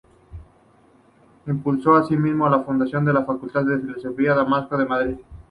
Impulsó, así mismo, la fundación de la Facultad de Filosofía San Dámaso de Madrid.